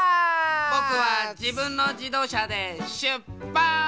ぼくはじぶんのじどうしゃでしゅっぱつ！